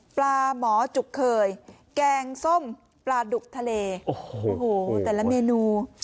ปลาหมอจุกเคยแกงส้มปลาดุกทะเลโอ้โหแต่ละเมนู